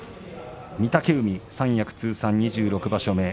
御嶽海、三役通算２６場所目。